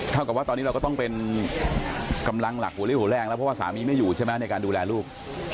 กับว่าตอนนี้เราก็ต้องเป็นกำลังหลักหัวเลี้ยหัวแรงแล้วเพราะว่าสามีไม่อยู่ใช่ไหมในการดูแลลูก